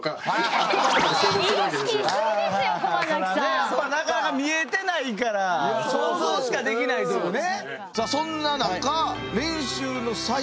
やっぱなかなか見えてないから想像しかできないけどね。